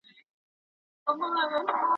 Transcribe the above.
د استنجا وهلو وروسته بيده کېدل روا دي.